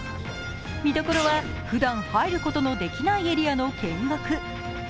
見どころは、ふだん入ることのできないエリアの見学。